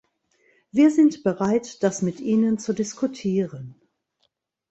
Wir sind bereit, das mit Ihnen zu diskutieren.